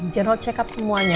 general check up semuanya